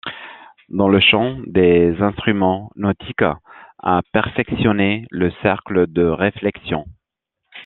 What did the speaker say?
Dans le champ des instruments nautiques, a perfectionné le cercle de réflexion.